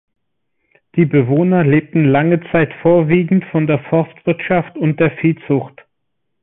Die Bewohner lebten lange Zeit vorwiegend von der Forstwirtschaft und der Viehzucht.